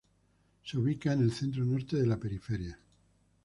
Se ubica en el centro-norte de la periferia.